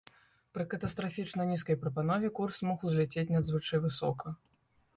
Пры катастрафічна нізкай прапанове курс мог узляцець надзвычай высока.